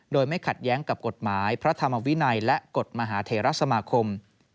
โดยไม่ขัดแย้งกับกฎหมายพระธรรมวินัยและกฎมหาเทรสมาคม